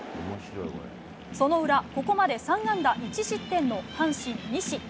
その裏、ここまで３安打１失点の阪神、西。